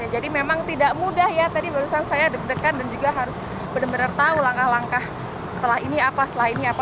jadi memang tidak mudah ya tadi barusan saya deg degan dan juga harus benar benar tahu langkah langkah setelah ini apa setelah ini apa